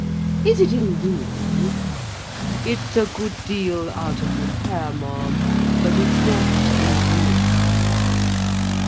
"Is it in ruins?" "It's a good deal out of repair, ma'am, but it's not in ruins."